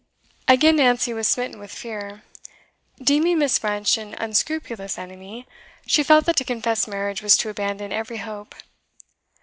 Again Nancy was smitten with fear. Deeming Miss. French an unscrupulous enemy, she felt that to confess marriage was to abandon every hope.